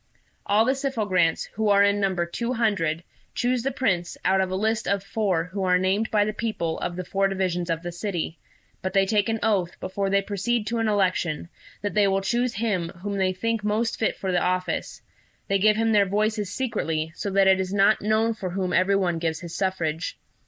All the Syphogrants, who are in number two hundred, choose the Prince out of a list of four who are named by the people of the four divisions of the city; but they take an oath, before they proceed to an election, that they will choose him whom they think most fit for the office: they give him their voices secretly, so that it is not known for whom every one gives his suffrage.